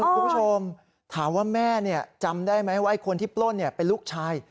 คุณผู้ชมถามว่าแม่เนี่ยจำได้ไหมว่าไอ้คนที่ปล้นเนี่ยเป็นลูกชาย